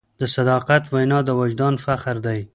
د صداقت وینا د وجدان فخر دی.